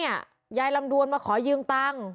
ยายลำดวนมาขอยืมตังค์